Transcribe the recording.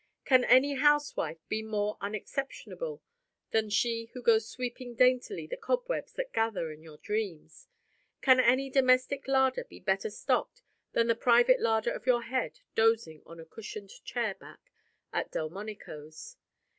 Can any housewife be more unexceptionable than she who goes sweeping daintily the cobwebs that gather in your dreams? Can any domestic larder be better stocked than the private larder of your head dozing on a cushioned chair back at Delmonico's?